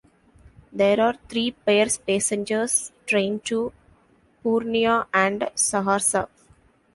There are three pairs passenger train to Purnia and Saharsa.